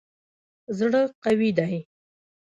زړه قوي دی.